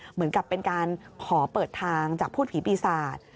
เหมือนกับเป็นการขอเปิดทางจากพูดผีปีศาจ